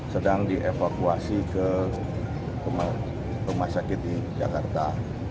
sedang dievakuasi ke rumah sakit di jakarta